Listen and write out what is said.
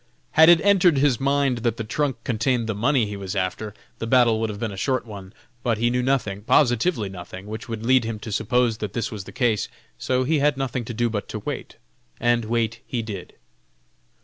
Had it entered his mind that the trunk contained the money he was after, the battle would have been a short one. But he knew nothing, positively nothing, which would lead him to suppose that this was the case; so he had nothing to do but to wait, and wait he did.